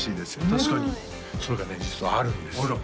確かにそれがね実はあるんですあら